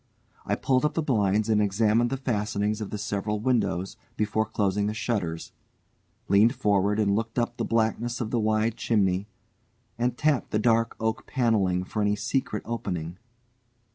I pulled up the blinds and examined the fastenings of the several windows before closing the shutters, leant forward and looked up the blackness of the wide chimney, and tapped the dark oak panelling for any secret opening.